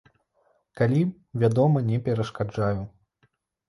Калі, вядома, не перашкаджаю.